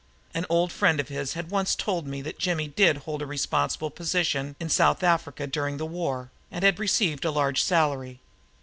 An old friend of his had once told me that Jimmy did hold a responsible position in South Africa during the war and had received a large salary.